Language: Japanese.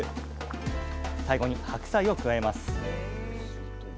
最後に白菜を加えます。